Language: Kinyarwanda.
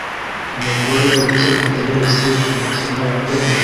Umugore ukina tennis kumukino wa tennis